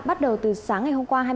bắt đầu từ sáng ngày hôm qua